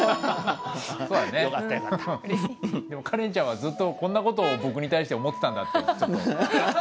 でもカレンちゃんはずっとこんな事を僕に対して思ってたんだってちょっと。